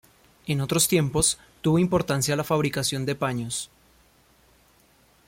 En otros tiempos tuvo importancia la fabricación de paños.